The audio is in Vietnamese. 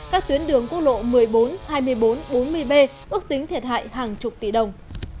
các tuyến đường quốc lộ một mươi bốn hai mươi bốn bốn mươi b ước tính thiệt hại hàng chục tỷ đồng